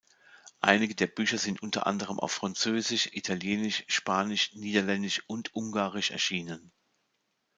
Einige der Bücher sind unter anderem auf Französisch, Italienisch, Spanisch, Niederländisch und Ungarisch erschienen.